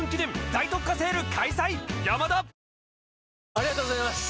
ありがとうございます！